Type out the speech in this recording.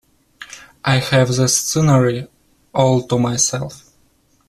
I have the scenery all to myself.